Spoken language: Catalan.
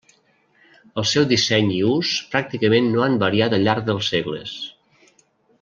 El seu disseny i ús, pràcticament no han variat al llarg dels segles.